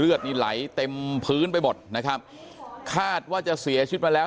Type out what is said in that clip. เลือดนี้ไหลเต็มพื้นไปหมดคาดว่าจะเสียชีวิตมาแล้ว